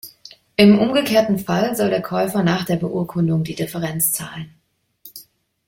Im umgekehrten Fall soll der Käufer nach der Beurkundung die Differenz zahlen.